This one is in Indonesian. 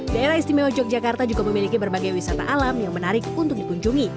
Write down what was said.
daerah istimewa yogyakarta juga memiliki berbagai wisata alam yang menarik untuk dikunjungi